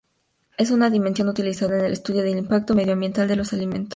Es una dimensión utilizada en el estudio del impacto medioambiental de los alimentos.